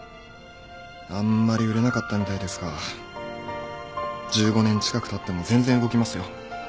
あんまり売れなかったみたいですが１５年近くたっても全然動きますよ。